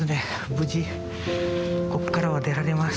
無事こっからは出られます。